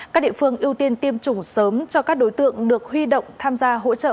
các địa phương ưu tiên tiêm chủng sớm cho các đối tượng được huy động tham gia hỗ trợ